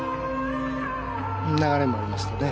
流れもありましたね。